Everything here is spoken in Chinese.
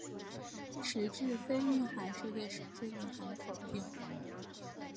实质非蕴涵是对实质蕴涵的否定。